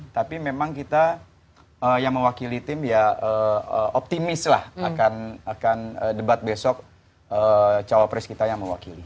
tapi memang kita yang mewakili tim ya optimis lah akan debat besok cawapres kita yang mewakili